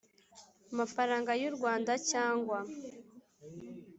mafaranga y u Rwanda cyangwa